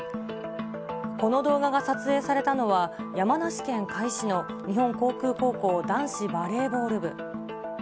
この動画が撮影されたのは、山梨県甲斐市の日本航空高校男子バレーボール部。